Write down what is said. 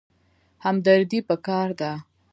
همدردي پکار ده